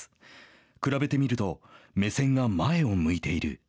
比べてみると目線が前を向いている。